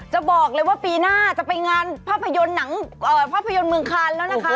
จะบอกเลยว่าปีหน้าจะไปงานภาพยนตร์หนังภาพยนตร์เมืองคานแล้วนะคะ